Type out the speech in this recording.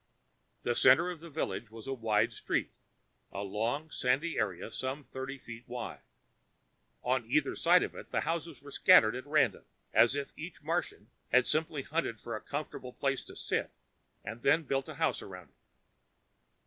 The center of the village was a wide street, a long sandy area some thirty feet wide. On either side of it, the houses were scattered at random, as if each Martian had simply hunted for a comfortable place to sit and then built a house around it.